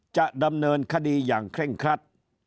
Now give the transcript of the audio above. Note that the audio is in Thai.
จะดำเนินคดีอย่างเคร่งครัด